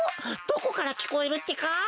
どこからきこえるってか？